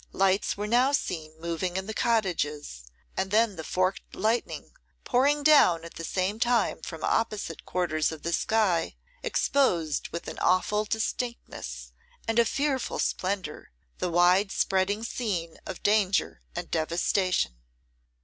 Lights were now seen moving in the cottages, and then the forked lightning, pouring down at the same time from opposite quarters of the sky, exposed with an awful distinctness, and a fearful splendour, the wide spreading scene of danger and devastation.